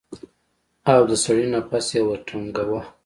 او د سړي نفس يې ورټنگاوه.